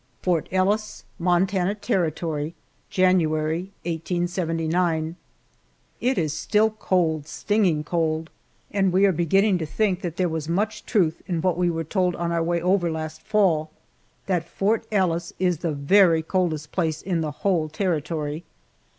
FORT ELLIS, MONTANA TERRITORY, January, 1879. IT is still cold, stinging cold, and we are beginning to think that there was much truth in what we were told on our way over last fall that Fort Ellis is the very coldest place in the whole territory.